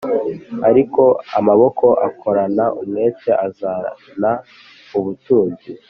ariko amaboko akorana umwete azana ubutunzi